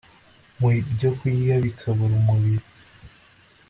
mu byokurya bikabura umubiri